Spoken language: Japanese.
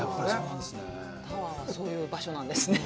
タワーはそういう場所なんですね。